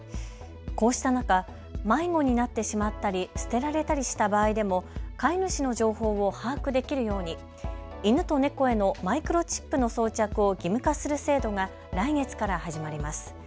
こうした中、迷子になってしまったり捨てられたりした場合でも飼い主の情報を把握できるように犬と猫へのマイクロチップの装着を義務化する制度が来月から始まります。